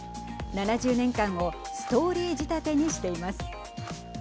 ７０年間をストーリー仕立てにしています。